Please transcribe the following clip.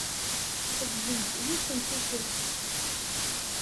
Xeḍben-d, yiwet n tikkelt.